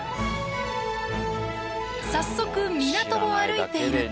早速港を歩いていると。